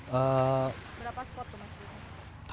berapa spot tuh